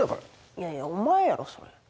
いやいやお前やろそれ